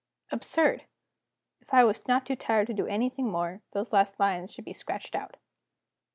Absurd! if I was not too tired to do anything more, those last lines should be scratched out.